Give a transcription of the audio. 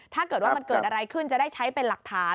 ถ้าเกิดว่ามันเกิดอะไรขึ้นจะได้ใช้เป็นหลักฐาน